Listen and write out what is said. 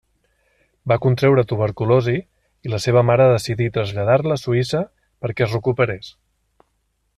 Va contreure tuberculosi i la seva mare decidí traslladar-la a Suïssa perquè es recuperés.